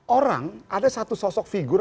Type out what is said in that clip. orang ada satu sosok figur